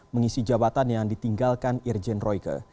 mengisi jabatan yang ditinggalkan irjen royke